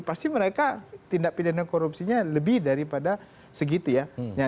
pasti mereka tindak pidana korupsinya lebih daripada segitu ya